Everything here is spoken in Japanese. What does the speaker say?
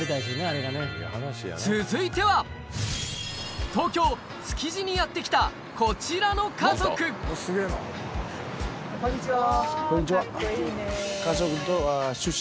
続いてはにやって来たこちらの家族こんにちは。